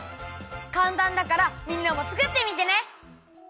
かんたんだからみんなも作ってみてね！